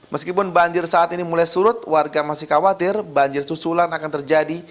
meskipun banjir saat ini mulai surut warga masih khawatir banjir susulan akan terjadi